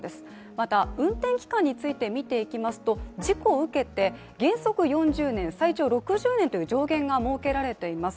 また、運転期間についてみていきますと、事故を受けて原則４０年、最長６０年という上限が設けられています。